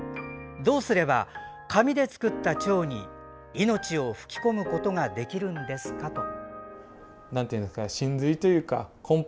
どうすれば、紙で作ったちょうに命を吹き込むことができるんですかと。